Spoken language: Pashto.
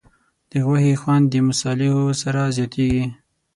د غوښې خوند د مصالحو سره زیاتېږي.